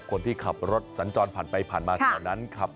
คนที่ขับรถสัญจรผ่านไปผ่านมาแถวนั้นขับ